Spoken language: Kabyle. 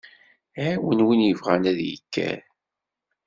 Ɛiwen win ibɣan ad ikker.